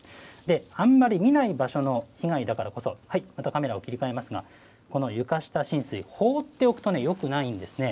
あんまり見ない場所の被害だからこそ、はい、またカメラを切り替えますが、この床下浸水、放っておくとよくないんですね。